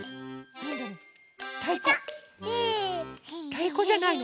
たいこじゃないの？